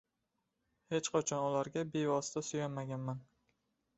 hech qachon ularga bevosita suyanmaganman.